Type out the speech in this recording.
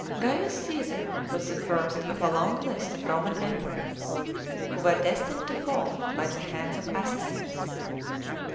§ 1. GAIUS dssARwas the first of a long list of Roman Emperors who were destined to fall by the bunds of assassins.